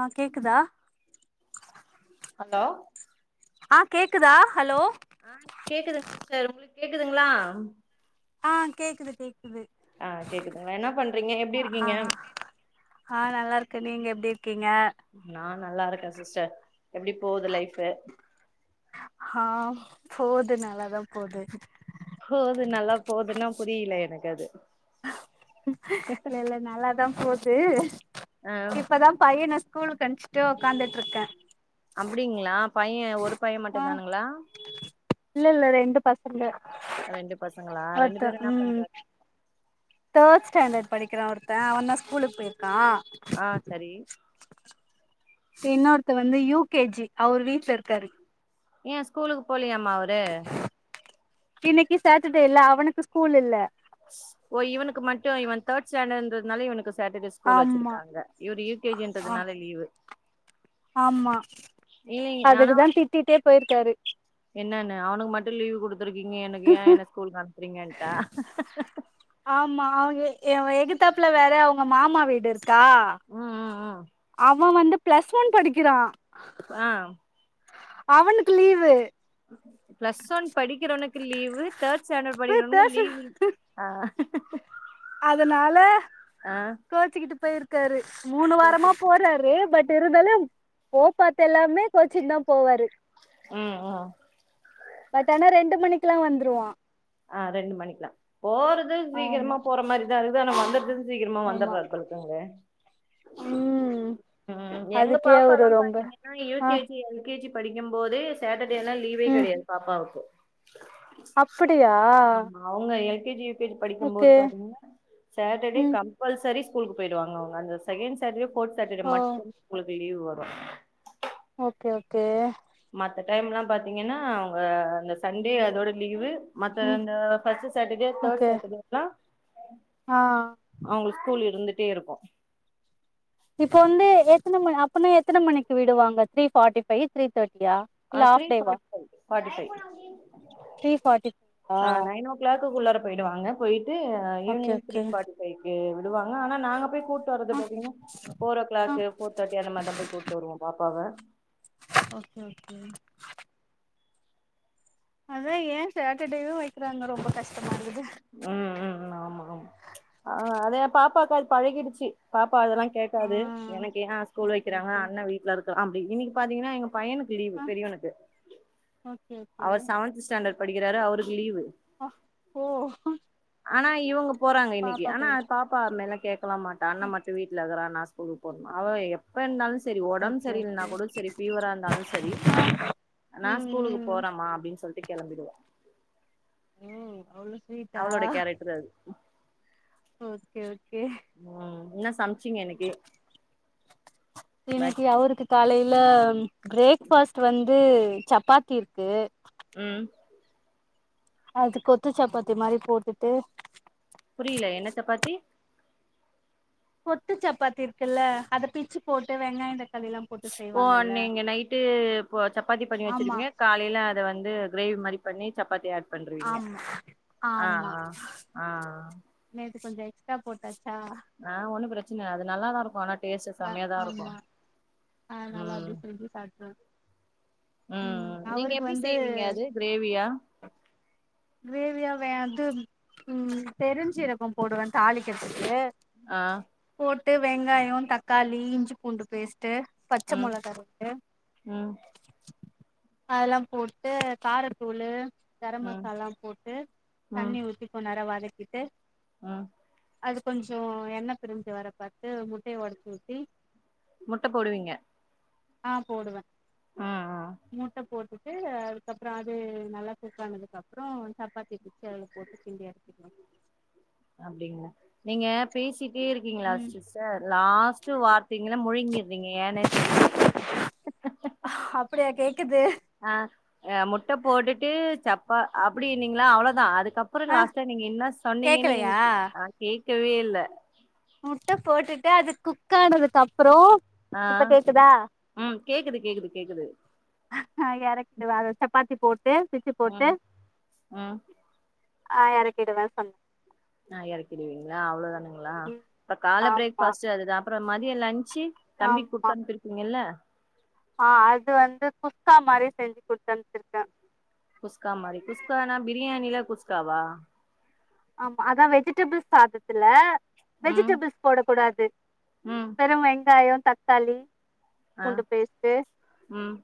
ஆ கேக்குதா ஹலோ ஆ கேக்குதா ஹலோ ஆ கேக்குதுங்க சிஸ்டர் உங்களுக்கு கேக்குதுங்ளா ஆ கேக்குது கேக்குது அ கேக்குதுங்ளா என்னா பண்றிங்க எப்டி ஆ இருக்கிங்க ஆ நல்லாருக்கே நீங்க எப்டி இருக்கிங்க நா நல்லாருக்க சிஸ்டர் எப்டி போது லைஃபு ஹா போது நல்லாதா போது போது நல்லா போதுன்னா புரில எனக்கு அது இல்ல இல்ல நல்லாதா போது ஆ இப்பதா பையன ஸ்கூலுக்கு அம்ச்சிட்டு ஒக்காந்துட்ருக்கே அப்டிங்ளா பையன் ஒரு பையன் ஆ மட்டுந்தானுங்ளா இல்ல இல்ல ரெண்டு பசங்க ரெண்டு பசங்களா ரெண்டு ஒருத்தே பேரு என்ன ம் பண்றாங்க தேட் ஸ்டாண்டர்ட் படிக்கிறா ஒருத்தன் அவே தா ஸ்கூலுக்கு போயிருக்கா ஆ சரி சி இன்னொருத்த வந்து யூகேஜி அவர் வீட்ல இருக்காரு ஏன் ஸ்கூலுக்கு போலியமா அவரு இன்னைக்கு சேட்டர்டே இல்ல அவனுக்கு ஸ்கூல் இல்ல ஓ இவுக்கு மட்டு இவே தேட் ஸ்டேண்டர் ன்றதுனால இவுனுக்கு சேட்டர்டே ஸ்கூல் ஆமா வச்சிருக்காங்க இவரு ஆ யூகேஜின்றதுனால லீவு ஆமா இல்லைங்க அதுக்கு தா திட்டிட்டே பேயிருக்காரு என்னானு அவனுக்கு மட்டு லீவ் குடுத்துருக்கிங்க எனக்கு ஏன் என்ன ஸ்கூல் அனுப்றிங்கன்ட்டா ஆமா அவுங்குளுக் அவ எகுதாப்ல வேற அவ அவுங்க மாமா வீடு இருக்கா ம் ம் அவே வந்து பிளஸ் ஒன் படிக்கிறா ஆ அவுனுக்கு லீவு பிளஸ் ஒன் படிக்கிறவனுக்கு லீவு தேட் ஸ்டேண்டர்ட் படிக்கிறவனுக்கு லீவு ஆ அதனால ஆ கோச்சிக்கிட்டு பேருக்காரு மூணு வாரமா போறாரு பட் இருந்தாலு [unintelligible] பாத் எல்லாமே கோச்சினு தா போவாரு ம் ம் பட் ஆனா ரெண்டு மணிக்குலா வந்துருவா ஆ ரெண்டு மணிக்லா போறது ஆமா சீக்கிரமா போற மாரிதா இருக்குது ஆனா வந்தது சீக்ரமா வந்த ஆமா ப பல்க்கங்க ம் அ எங்க அதுக்கே அவரு பாப்பாலா ரொம்ப பாத்திங்கனா ஆ யூகேஜி எல்கேஜி படிக்கும்போது சேட்டடேலா லீவே கெடையாது பாப்பாவுக்கு அப்புடியா அவுங்க எல்கேஜி யுகேஜி படிக்கம்போது பாத்தீங்கன்னா சட்டர்டே ம் கம் பல்சரி ஸ்கூலுக்கு போயிடுவாங்க அவங்க அந்த செகண்ட் சாட்டடே ஃபோர்த் சாட்டடே ஓ மட்டு அவுங்களுக்கு லீவ் வரு ஓகே ஓகே மத்த டைம்லா பாத்தீங்கன்னா அவங்க அந்த சண்டே அதோட லீவு மத்த ம் அந்த ஃபஸ்ட்டு சாட்டடே தேர்ட் ஓகே சாட்டடேலா ஆ அவுங்க ஸ்கூல் இருந்துட்டே இருக்கு இப்ப வந்து எத்தன மணி அப்பனா எத்தன மணிக்கு விடுவாங்க த்ரீ ஃபாட்டி ஃபைவ் த்ரீ தேட்டியா ஆ three forty five forty five three forty ஃபைவா ஆ நயனோ கிளாக்குள்ளார போயிடுவாங்க போயிட்டு okay evening three okay forty ஃபைக்கு விடுவாங்க ஆனா நாங்க போய் கூட்டு வரது ஆ பாத்தீங்கனா ஃபோர் ஓ ஆ கிளாக்கு ஃபோர் தேட்டி அந்த மாரி தா போயி கூட்டு வருவோ பாப்பாவ ஓகே ஓகே அதா ஏ சாட்டர்டேவு வெக்கிறாங்க ரொம்ப கஷ்டமாருக்குது ம் ம் ஆமா ஆமா ஆ அது எ பாப்பாக்கு அது பழகிடுச்சு பாப்பா அதெல்லா ஆ கேக்காது எனக்கு ஏ ஸ்கூல் ஓகே வெக்கிறாங்க ஓகே அண்ணே வீட்ல இருக்கா அப்டி இன்னக்கி பாத்தீங்கன்னா எங்க பையனுக்கு லீவு ஆ பெரியவனுக்கு ஓகே ஓகே அவர் செவன்த் ஸ்டாண்டர்ட் படிக்கிறாரு அவருக்கு லீவு ஆ ஓ ஆனா இவங்க போறாங்க இன்னக்கி பாப்பா ஆனா போயிருக்கு பாப் பா அது மேர்லா கேக்கலா மாட்டா அண்ணே ம் மட்டு வீட்லருக்குறா நா ஸ்கூல்க்கு போணுமா அவே எ ப்பருந்தாலு செரி ஒடம்பு ஓகே சரி இல்லனா ஓகே கூட செரி ஃபீவராருந்தாலு செரி நா ஸ்கூலுக்கு ம் ம் போறேமா அப்டின் சொல்லிட்டு கெளம்பிடுவா ம் அவ்ளோ ஸ்வீட்டா அவளோட கேரக்டர் அது ஓகே ஓகே ம் என்ன ச பாய் இன்னிக்கி அவுருக்கு காலைல பிரேக்ஃபாஸ்ட் வந் து சப்பாத்தி இருக்கு ம் அது கொத்து சப்பாத்தி மாரி போட்டுட்டு புரில என்ன சப்பாத்தி கொத்து சப்பாத்தி இருக்குல்ல அத பிச்சு போட்டு வெங்காயோ தக்காளில்லா ஓ அன் நீங்க நைட்டு பு சப்பாத்தி பண்ணி ஆமா வச்சிருவீங்க காலைல அத வந்து கிரேவி மாரி பண்ணி சப்பாத்தி ஆட் பண்ருவீங்க ஆமா ஆ ஆமா ஆ ஆ நேத்து கொஞ்சோ எக்ஸ்ட்ரா போட்டாச்சா ஆ ஒண்ணு பிரச்சன இல்ல அது நல்லாதாருக்கு ஆனா டேஸ்ட்டு செம்மயாதாருக்கு அதனாலா அப்டி செஞ்சு சாப்ட்ருவோ ம் நீங்க அவருக்கு எப்டி வந்து செய்வீங்க அது கிரேவியா கிரேவியா வே து ம் பெருஞ்சீரகம் போடுவே தாளிக்கிறதுக்கு ஆ போட்டு வெங்காயோ தக்காளி இஞ்சி பூண்டு பேஸ்ட்டு பச்ச ம் மொளகா போட்டு ம் அதல்லா போட்டு காரத்தூளு கரம் ம் மசாலா போட்டு தண்ணி ஊத்தி கொன்நேரோ வதக்கிட்டு ஆ அது கொஞ்சோ எண்ண பிரிஞ்சு வர பாத்து முட்டய ஒடச்சு ஊத்தி முட்ட போடுவீங்க ஆ போடுவே ம் ம் முட்ட போட் டுட்டு அதுக்கப்றோ அது நல்லா குக் ஆனதுக்கப்றோ சப்பாத்தி பிச்சி அதுல போட்டு கிண்டி [inaudible] அப்டிங்களா நீங்க பேசிட்டே இருக்கீங்ளா ம் சி ஸ்டர் லாஸ்ட்டு வார்த்தைங்ள முழுங்கிர்றீங்க ஏனே தெரில எனக்கு அப்டியா கேக்குது ஆ ஆ முட்ட போட்டுட்டு சப்பா அப்டினீங்களா அவ்ளோதா அதுக்க ப்றோ ஆ லாஸ்ட்டா நீங்க என்ன சொன்னீங்கன்னு கேக்கலையா எனக்கு ஆ கேட்கவே இல்ல முட்ட போட்டுட்டு அது குக் ஆனதுக்கப்றோ ஆ ம் கேக்குது கேக்குது கேக்குது ஆ எறக்கிடுவே அதுல சப்பாத்தி போட்டு பிச்சு போட்டு ம் ம் ஆ எனக்கு இதுவே சொன் ஆ எறக்கிடுவீங்ளா அவ்ளோ தானுங்களா ம் அப்ப கால பிரேக்ஃ ஆமா பாஸ்ட் அதுதா அப்புற மதிய லன்சு தம்பிக் ஆமா குடுத்தனுப்ருக்கீங்கல்ல ஆ அது வந்து குஸ்கா மாரி செஞ்சு குடுத்தம்சிருக்க குஸ்கா மாரி குஸ்கானா பிரியாணில குஸ்காவா ஆமா அதா வெஜிடபிள்ஸ் சாதத்துல ம் வெஜிடபிள்ஸ் போடக்கூடாது ம் வெறு வெங்காயோ தக்காளி ஆ பூண்டு பேஸ்டு ம்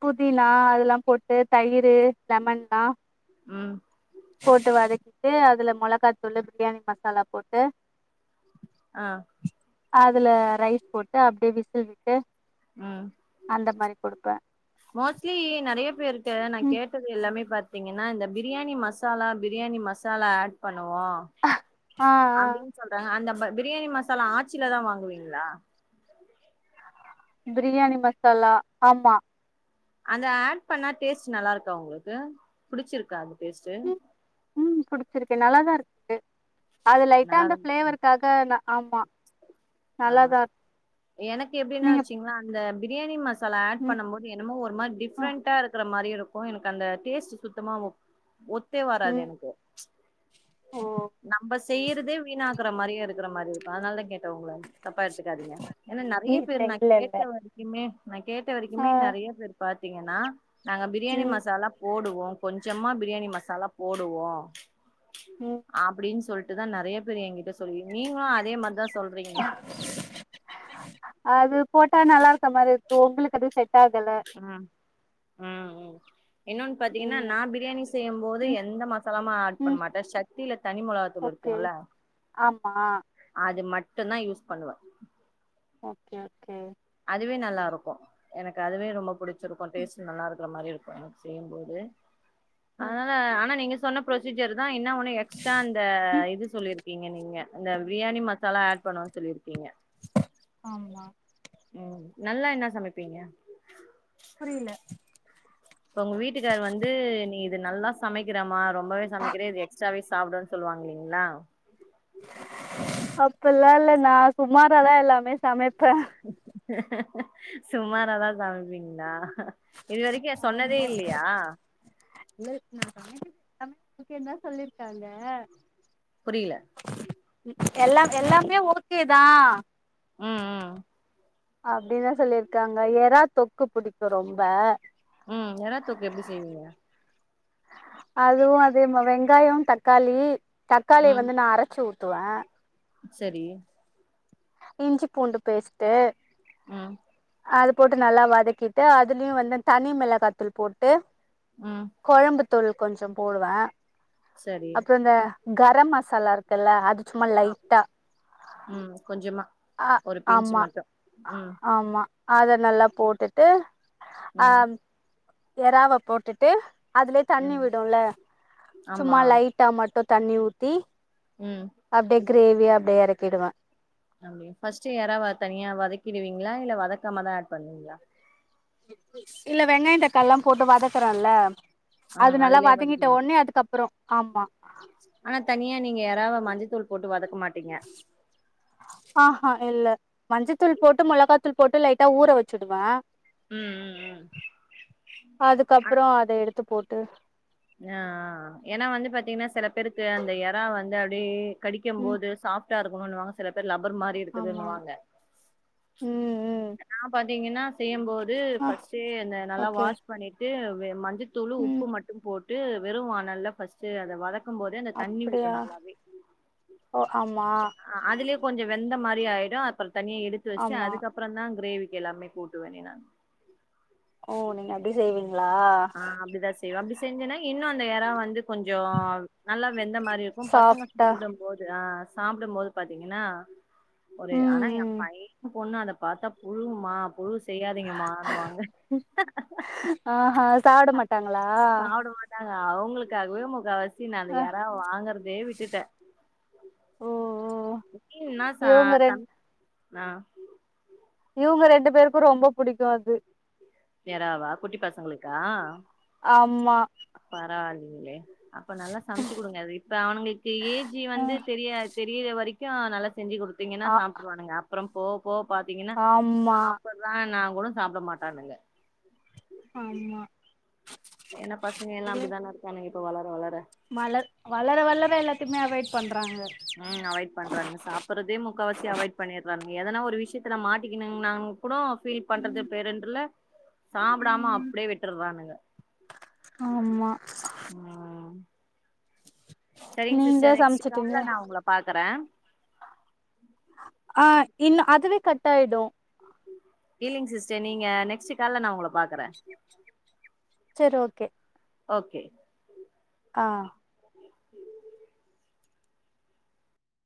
புதினா அதெல்லா போட்டு தயிரு லெமன்லா ம் போட்டு வதக் விட்டு அதுல மொளகாத்தூளு பிரியாணி மசாலா போட்டு அ அதுல ரைஸ் போட்டு அப்டி விசில் விட்டு ம் அந்த மாரி கொடுப்ப மோஸ்ட்லி நெறைய பேருக்கு நா ம் கேட்டது எல்லாமே பாத் பாத்தீங்கன்னா இந்த பிரியாணி மசாலா பிரியாணி மசாலா ஆட் பண்ணுவோ ஆ ஆ அப்டின்னு சொல்றாங்க அந்த பிரியாணி மசாலா ஆச்சில தா வாங்குவீங்களா பிரியாணி மசாலா ஆமா அந்த ஆட் பண்ணா டேஸ்ட் நல்லா இருக்கா உங்களுக்கு புடிச்சிருக்கா அந்த டேஸ்டு ம் ம் புடிச்சிருக்கு நல்லாதா இருக்கு அது லைட்டா அந்த நல்லாதா இருக் ஃபிளேவருக்காக ந ஆ எனக்கு எப்டினா நீங்க வச்சீங்ள இந்த பிரியாணி மசாலா ஆட் ம் பண்ணும் போது என்னமோ ஒரு மாரி ஆ டிஃப்ரெண்டா இருக்க மாரி இருக் கு எனக்கு அந்த டேஸ்ட் சுத்தமா ஒ ஒத்தே வராது ம் எனக்கு ஓ நம்ம செய்யறதே வீணாக்குற மாரியு இருக்கிற மாரி இருக்கு அதனால தா கேட்டே உங்கள தப்பா எடுத்துக்காதீங்க ஏனா இ- நெறய பேரு நா இல்ல இல்ல கேட்ட வரைக்குமே நா கேட்ட ஆ வரைக்குமே நெறைய பேர் பாத்தீங்கன்னா நாங்க பிரியாணி ம் மசாலாப் போடுவோ கொஞ்சமா பிரியாணி மசாலா போடுவோ ம் அப்டின் சொல்ட்டுதா நெறய பேர் என்கிட்ட சொல்லி நீங்களு அதே மாரிதா சொல்றீங்க அது போட்டா நல்லா இருக்க மாரி இருக்கு உங்களுக்கு அது செட் ம் உ இன்னொன் பாத்தீங்கன்னா நா பிரியாணி செய்யும் போது ம் எந்த மசாலாம ஆட் பண்ண ம் மாட்ட சக்தில தனி மொளகா தூள் இருக் ஓகே சொல்ல ஆமா அது மட்டுந்தா யூஸ் பண்ணுவ ஓகே ஓகே அதுவே நல்லா இருக்கு எனக்கு அதுவே ரொம்ப புடிச்சிருக்கு டேஸ்ட் நல்லா இருக்கிற மாரி இருக்கு எனக் செய்யும்போது ம் அதனால ஆனா நீங்க சொன்னப் ப்ரொசீஜர் தா என்ன ஒன்னு எக்ஸ்ட்ரா அந்த ம் இது சொல்லிருக்கீங்க நீங்க இந்த பிரியாணி மசாலா ஆட் பண்ண சொல்லிருக்கீங்க ஆமா ம் நல்லா என்ன சமைப்பீங்க புரில இப்ப உங்க வீட்டுக்காரு வந்து நீ இது நல்லா சமைக்கிறமா ரொம்பவே சமைக்கிறே இது எக்ஸ்ட்ராவே சாப்பிடணுன் சொல்லுவாங்க இல்லைங்ளா அப்பிட்லா இல்ல நா சுமாராதா எல்லாமே சமைப்பே சுமாராதா சமைப்பீங்ளா இது வரைக்க சொன்னதே ஆமா இல்லையா இல்ல நா சமைக்க [inaudible] முக்கியந் தா சொல்லிருக்காங்க புரியல எல்லா எல்லாமே ஓகேதா ம் ம் அப்டின் தா சொல்லிருக்காங்க எறா தொக்கு பிடிக்கு ரொம்ப ம் எறா தொக்கு எப்டி செய்வீங்க அதுவு அதே மார்தா வெங்காய தக்காளி தக்காளிய வந்து நா அரைச்சு ஊத்துவே செரி இஞ்சி பூண்டு பேஸ்ட்டு ம் அது போட்டு நல்லா வதக்கிட்டு அதுலயு வந்து தனி மிளகாத்தூள் போட்டு ம் கொழம்பு தூள் கொஞ்ச போடுவே சரி அப்றோ இந்த கரம் மசாலா இருக் குல்ல அது சும்மா அ லைட்டா ம் கொஞ்சமா ஆ ஒரு பின்ச்சு ஆமா மட்டு ம் ஆமா அத நல்லா போட்டுட்டு ம் ஆம் எறாவ போட்டுட்டு அதுலே தண்ணி ம் விடுல்ல ஆமா சும்மா லைட்டா மட்டு தண்ணி ஊத்தி ம் அப்டியே கிரேவியா அப்டியே எறக்கிடுவே அப்டியா ஃபஸ்ட்டு எறாவ தனியா வதக்கிடுவீங்ளா இல்ல வதக்காமதா ஆட் பண்ணுவீங்ளா இல்ல வெங்காய தக்காளிலா போட்டு வதக்குறன்ல அது ம் நல்லா அதுலயே வதங்கிட்ட வதக்கிடுவீங்க ஒட்னே அதுக்கப்றோ ஆமா ஆனா தனியா நீங்க எறாவ மஞ்சத்தூள் போட்டு வதக்க மாட்டீங்க [inaudible] ஆ ஹா இல்ல மஞ்சத்தூள் போட்டு மொளகாத் தூள் போட்டு லைட்டா ஊற வச்சுடுவே ம் ம் ம் அதுக்கப்ற அத எடுத்து போட்டு ஆ ஆ ஏனா வந்து பாத்தீங்கனா செல பேருக்கு அந்த எறா வந்து அப்டியே கடிக்கும் ம் போது சாஃப் ட்டா இருக்கனுனு வாங்க சில பேர் லப்பர் மாரி ஆமா இருக்குதுன்னுவாங்க ம் ம் நா பாத்தீங்கனா செய்யம்போது ஆ ஃபஸ்ட்டே அந்த நல்லா ஓகே வாஷ் பண்ணிட்டு வெ மஞ்சத் தூளு உப்பு ம் மட்டும் போட்டு வெறு வாணல்ல ஃபஸ்ட்டு அத வதக் க்கும் போது அந்த தண்ணி அப்படியா விட்றணு அதுவாவே ஓ ஆமா அ அதுலே கொஞ்ச வெந்த மாரி ஆயிடு அப்பற தண்ணிய எடுத்து வச்சுட்டு ஆமா அதுக்கப் அப்றந்தா கிரேவிக்கு எல்லாமே கூட்டுவனே நானு ஓ நீங்க அப்டி செய்வீங்ளா கி செய்வே அப்டி செஞ்சனா இன்னு அந்த எறா வந்து கொஞ்ச நல்லா வெந்த மாரி இருக்கு பசங்க சாஃப்டா சாப்ட போது ஆ சாப்டம் போது பாத்தீங்கனா ஒரு ம் ஆனா எ ம் பைய பொண்ணு அத பாத்தா புழுமா புழு செய்யாதீங்கமானுவாங்க ஆ ஹா சாப்ட மாட் சாப்ட மாட்டாங்க அவுங்களுக்காகவே முக்காவாசி நா அந்த அ எறாவ வாங்கற்தே விட்டுட்டே ஓ ஓ புக்கிங் இன்னா சா இவங்க ரெண் தம் னா இவங்க ரெண்டு பேருக்கும் ரொம்ப புடிக்கும் அது எறாவா குட்டி பசங்களுக்கா ஆமா பரவாயில்லிங்ளே அப்ப நல்லா சமைச்சு குடுங்க வீட் இப்ப அவனுங்களுக்கு ஏஜி அ வந்து தெரியாது தெரிய வரைக்கு நல்லா செஞ்சு குடுத்தீங்கன்னா ஆ சாப்ட்டுருவானுங்க அப்றம் போவ போவ பாத்தீங்கன்னா ஆமா சாப்புர்றானா கூட சாப்டமாட்டானுங்க ஆமா ஏன்ன பசங்க எல்லா இது அப்டித்தானே இருக்கானுங்க இப்ப வளர வளர வளர் வளர வளர எல்லாத்தையுமே அவாய்ட் பண்றாங்க ம் அவாய்ட் பண்றானுங்க சாப்டுறதே முக்காவாசி அவாய்ட் பண்ணிறானுங்க எதனா ஒரு விஷயத்துல மாட்டிக்குனுன்ங்கானா கூட ஃபீல் பண்றது ம் பேரெண்ட்ல சாப்டாம ம் அப்டியே விட்டுறானுங்க ஆமா செரிங்க நீங்க சிஸ்டர் நெக்ஸ்ட் கால்ல சமச்சுட்டீங்களா நான் உங்கள பாக்குறே ஆ இன்னு அதுவே கட் ஆயிடும் இல்லிங் சிஸ்டர் நீங்க நெக்ஸ்ட் கால்ல நா உங்கள பாக்குறே செரி ஓகே ஓகே ஆ